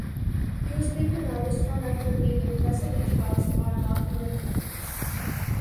He was picked in Rajasthan after being impressive in trails on Nagpur Academy.